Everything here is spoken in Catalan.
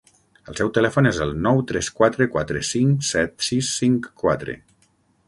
El seu telèfon és el nou tres quatre quatre cinc set sis cinc quatre.